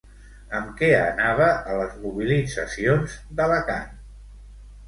Amb què anava a les mobilitzacions d'Alacant?